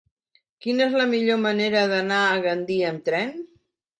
Quina és la millor manera d'anar a Gandia amb tren?